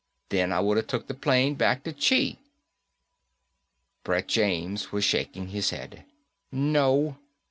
Then I woulda took the plane back to Chi." Brett James was shaking his head. "No.